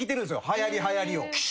はやりはやりを。